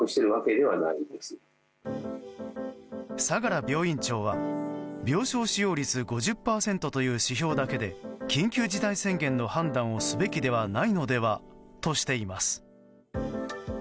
相良病院長は病床使用率５０％という指標だけで緊急事態宣言の判断をすべきではないのではとしています。